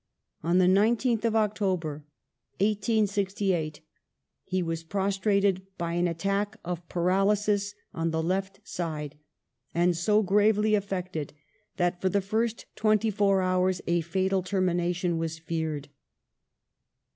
On the 19th of October, 1868, he was prostrated by an at tack of paralysis on the left side, and so gravely affected that for the first twenty four hours a fatal termination was feared.